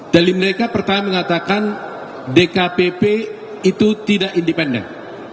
dalil mereka pertama mengatakan dkpp itu tidak independen